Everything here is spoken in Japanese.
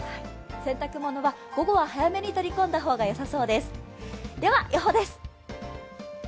洗濯物は午後は早めに取り込んだ方がよさそうです。